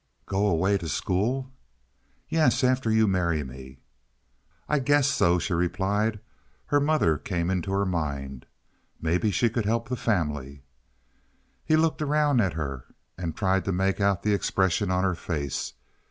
"Go away to school?" "Yes, after you marry me." "I guess so," she replied. Her mother came into her mind. Maybe she could help the family. He looked around at her, and tried to make out the expression on her face.